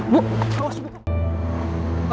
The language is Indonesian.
bu awas buka buka